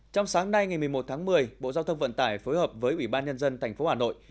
trong sáng nay ngày một mươi một tháng một mươi bộ giao thông vận tải phối hợp với ủy ban nhân dân tp hà nội